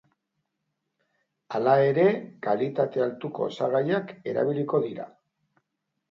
Hala ere, kalitate altuko osagaiak erabiliko dira.